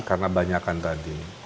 karena banyakan tadi